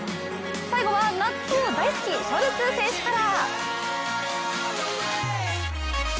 最後は納豆大好きショルツ選手から。